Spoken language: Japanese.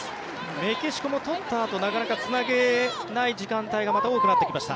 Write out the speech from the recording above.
メキシコも取ったあとなかなかつなげない時間帯がまた多くなってきました。